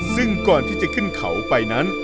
ซึ่งก่อนที่จะขึ้นเขาไปนั้น